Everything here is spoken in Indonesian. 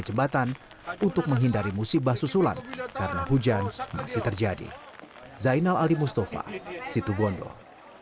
kedua arus tersangkut ini terjadi setelah hujan deras mengguyur sejak senin sore hingga tengah malam